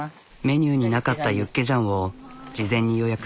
メニューになかったユッケジャンを事前に予約。